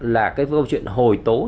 là cái vụ chuyện hồi tố